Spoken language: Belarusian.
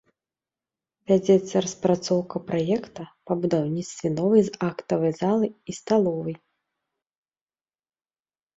Вядзецца распрацоўка праекта па будаўніцтве новай з актавай залай і сталовай.